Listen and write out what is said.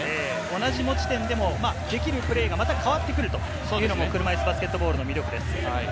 同じ持ち点でもできるプレーが変わってくるというのも車いすバスケットボールの魅力です。